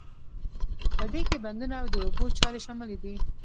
په دې کې بندونه او د اوبو چارې شاملې دي.